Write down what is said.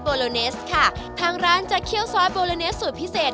โลเนสค่ะทางร้านจะเคี่ยวซอสโบโลเนสสูตรพิเศษ